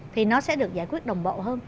thì nó sẽ được giải quyết đồng bộ hơn